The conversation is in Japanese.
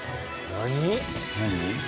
何？